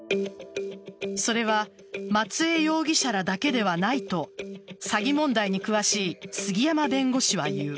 それは松江容疑者らだけではないと詐欺問題に詳しい杉山弁護士は言う。